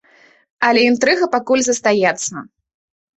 Але інтрыга пакуль застаецца.